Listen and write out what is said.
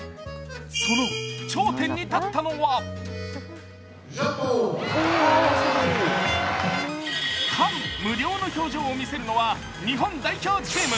その頂点に立ったのは感無量の表情を見せるのは日本代表チーム。